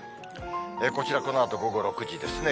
こちら、このあと午後６時ですね。